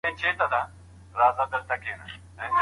په لاس لیکل د دلایلو د راټولولو لاره ده.